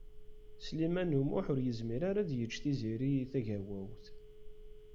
Sliman U Muḥ ur yezmir ara ad yeǧǧ Tiziri Tagawawt.